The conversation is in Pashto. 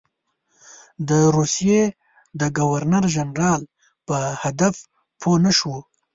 د روسیې د ګورنر جنرال په هدف پوه نه شو.